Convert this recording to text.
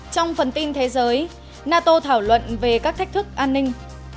trong phần tin thế giới nato thảo luận về các thách thức an ninh